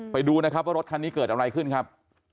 ไปดูนะครับว่ารถคันนี้เกิดอะไรขึ้นครับ